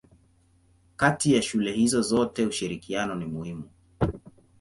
Kati ya shule hizo zote ushirikiano ni muhimu.